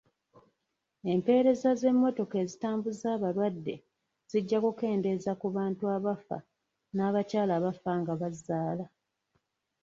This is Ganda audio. Empereza z'emmotoka ezitambuza abalwadde zijja kukendeeza ku bantu abafa n'abakyala abafa nga bazaala.